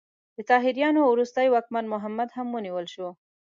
د طاهریانو وروستی واکمن محمد هم ونیول شو.